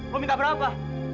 lo minta berapa